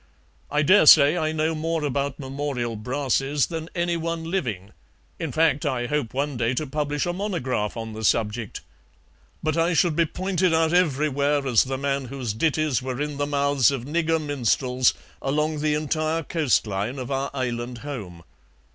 I dare say I know more about memorial brasses than anyone living, in fact I hope one day to publish a monograph on the subject, but I should be pointed out everywhere as the man whose ditties were in the mouths of nigger minstrels along the entire coast line of our Island home.